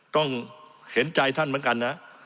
ต้องเห็นใจท่านเหมือนกันนะ